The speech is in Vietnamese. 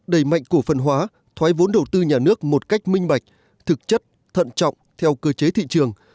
đẩy mạnh cổ phân hóa thoái vốn đầu tư nhà nước một cách minh bạch thực chất thận trọng theo cơ chế thị trường